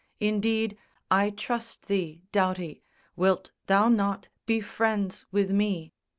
Indeed, I trust thee, Doughty. Wilt thou not Be friends with me?